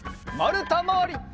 まるたまわり。